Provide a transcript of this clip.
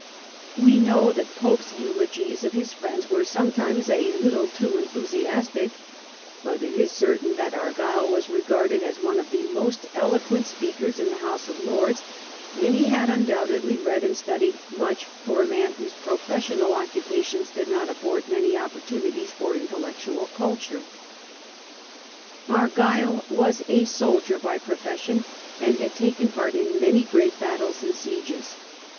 We know that Pope's eulogies of his friends were sometimes a little too enthusiastic, but it is certain that Argyle was regarded as one of the most eloquent speakers in the House of Lords, and he had un doubtedly read and studied much for a man whose professional occupations did not afford many oppor tunities for intellectual culture. Argyle was a soldier by profession, and had taken part in many great battles and sieges.